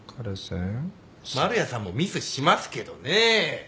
丸屋さんもミスしますけどねぇ。